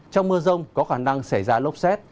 trong mưa rông có khả năng xảy ra lốc xét